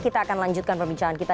kita akan lanjutkan perbincangan kita